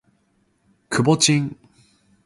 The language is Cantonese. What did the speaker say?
真係咁好食？